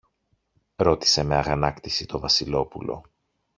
ρώτησε με αγανάκτηση το Βασιλόπουλο.